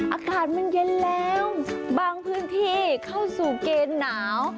อากาศมันเย็นแล้วบางพื้นที่เข้าสู่เกณฑ์หนาว